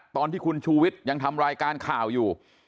ตอนที่คุณชูวิทย์ยังทำรายการข่าวอยู่